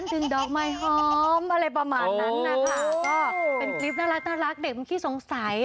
จริง